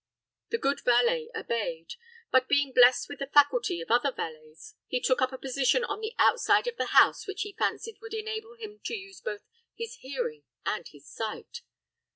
The good valet obeyed; but, being blessed with the faculty of other valets, he took up a position on the outside of the house which he fancied would enable him to use both his hearing and his sight.